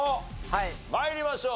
参りましょう。